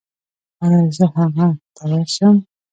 ایا زه هغه ته ورشم؟